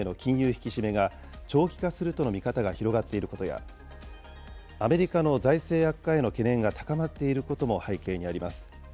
引き締めが長期化するとの見方が広がっていることや、アメリカの財政悪化への懸念が高まっていることも背景にあります。